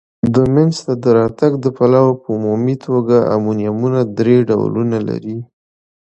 د مینځ ته راتګ د پلوه په عمومي توګه امونیمونه درې ډولونه لري.